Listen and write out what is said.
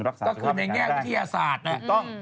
รักษาสภาพแรงแรงแรง